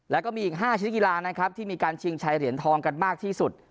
แล้วก็มีอีก๕ชนิดกีฬานะครับที่มีการชิงชัยเหรียญทองกันมากที่สุด